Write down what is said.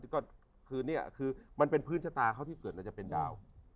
ก็คือนี่คือมันเป็นพื้นชะตาเขาที่เกิดเราจะเป็นดาว